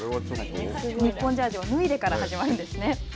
日本ジャージを脱いでから始まるんですね。